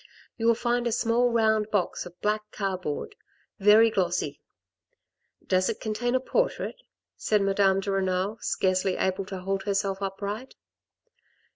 You will find a small, round box of black cardboard, very glossy." " Does it contain a portrait ?" said Madame de Renal, scarcely able to hold herself upright.